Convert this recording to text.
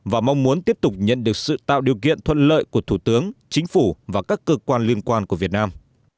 và mong muốn tiếp tục nhận được sự tạo điều kiện thuận lợi của thủ tướng chính phủ và các cơ quan liên quan của việt nam